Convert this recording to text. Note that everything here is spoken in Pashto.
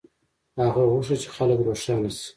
هغه غوښتل چې خلک روښانه شي.